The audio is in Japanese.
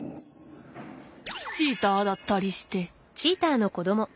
チーターだったりして。